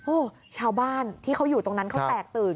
โอ้โหชาวบ้านที่เขาอยู่ตรงนั้นเขาแตกตื่น